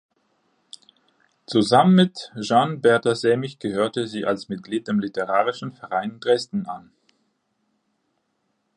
Zusammen mit Jeanne Berta Semmig gehörte sie als Mitglied dem "Literarischen Verein Dresden" an.